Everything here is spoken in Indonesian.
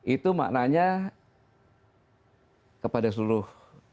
itu maknanya kepada seluruh dua ratus dua belas